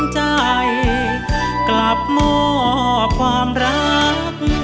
ใจกลับมอบความรัก